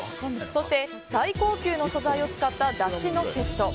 そして最高級の素材を使っただしのセット。